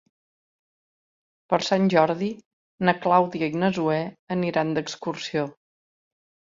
Per Sant Jordi na Clàudia i na Zoè aniran d'excursió.